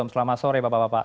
selamat sore bapak bapak